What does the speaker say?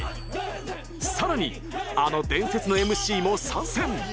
更にあの伝説のＭＣも参戦。